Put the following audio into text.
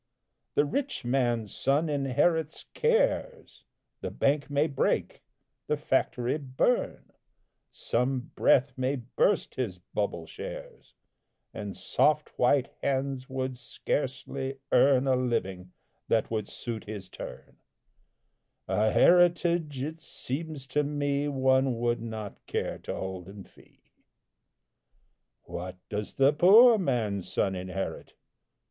The rich man's son inherits cares. The bank may break, the factory burn, Some breath may burst his bubble shares, And soft white hands would scarcely earn A living that would suit his turn; A heritage, it seems to me, One would not care to hold in fee. What does the poor man's son inherit?